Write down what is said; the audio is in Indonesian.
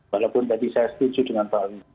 walaupun tadi saya setuju dengan pak ali